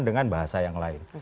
dengan bahasa yang lain